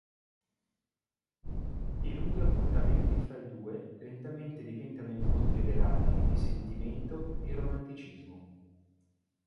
I lunghi appuntamenti fra i due lentamente diventano incontri velati di sentimento e romanticismo.